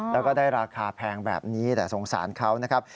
แล้วก็ได้ราคาแพงแบบนี้แต่สงสารเขานะครับ